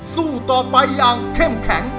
สู้ต่อไปอย่างเข้มแข็ง